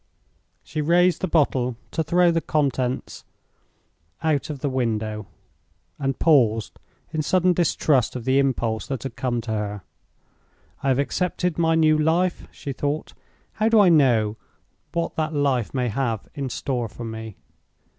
She raised the bottle to throw the contents out of the window, and paused, in sudden distrust of the impulse that had come to her. "I have accepted my new life," she thought. "How do I know what that life may have in store for me?"